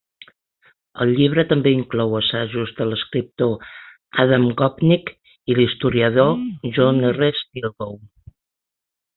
El llibre també inclou assajos de l'escriptor Adam Gopnik i l'historiador John R. Stilgoe.